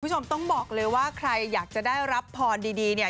คุณผู้ชมต้องบอกเลยว่าใครอยากจะได้รับพรดีเนี่ย